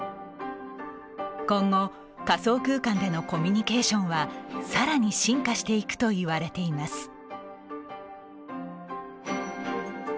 今後、仮想空間でのコミュニケーションはさらに進化していくといわれています。